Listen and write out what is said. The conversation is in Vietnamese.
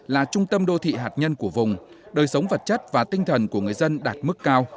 là trung tâm đô thị hạt nhân của vùng đời sống vật chất và tinh thần của người dân đạt mức cao